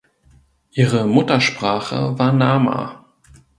Ihre Muttersprache war Nama.